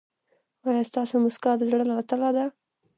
ایا ستاسو مسکا د زړه له تله ده؟